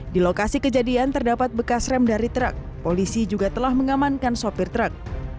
di lokasi kejadian terdapat bekas rem dari truk polisi juga telah mengamankan sopir truk